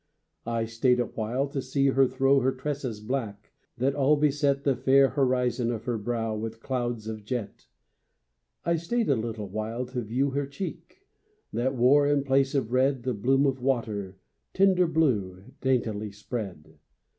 I staid awhile, to see her throw Her tresses black, that all beset The fair horizon of her brow With clouds of jet. I staid a little while to view Her cheek, that wore in place of red The bloom of water, tender blue, Daintily spread.